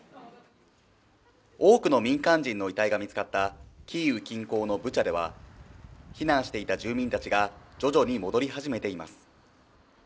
多くの民間人の遺体が見つかったキーウ近郊のブチャでは、避難していた住民たちが徐々に戻り始めています。